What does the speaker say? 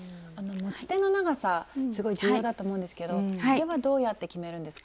持ち手の長さすごい重要だと思うんですけどそれはどうやって決めるんですか？